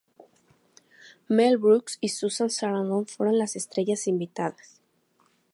Mel Brooks y Susan Sarandon fueron las estrellas invitadas.